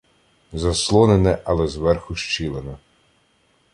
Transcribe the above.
Заслонене, але зверху щілина.